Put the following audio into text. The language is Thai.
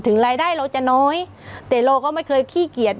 รายได้เราจะน้อยแต่เราก็ไม่เคยขี้เกียจ